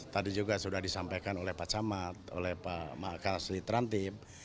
tadi juga sudah disampaikan oleh pak camat oleh pak makasli terantib